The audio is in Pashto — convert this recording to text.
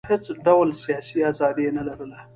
هېڅ ډول سیاسي ازادي یې نه لرله.